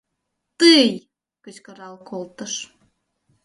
— Тый! — кычкырал колтыш.